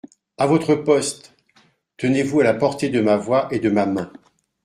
À votre poste !… Tenez-vous à la portée de ma voix et de ma main.